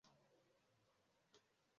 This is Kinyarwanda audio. Umukobwa akubita umupira uwamufata arareba